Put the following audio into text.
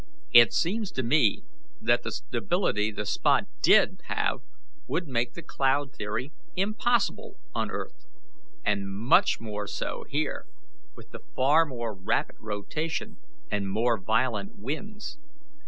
It seems to me that the stability the spot DID have would make the cloud theory impossible on earth, and much more so here, with the far more rapid rotation and more violent winds.